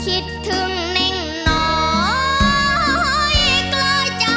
คิดถึงอัมพลที่อยู่สุภาค